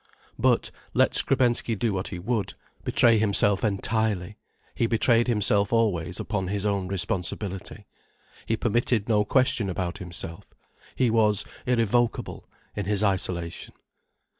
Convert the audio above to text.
But, let Skrebensky do what he would, betray himself entirely, he betrayed himself always upon his own responsibility. He permitted no question about himself. He was irrevocable in his isolation.